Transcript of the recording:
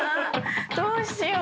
どうしよう？